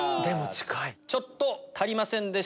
ちょっと足りませんでした。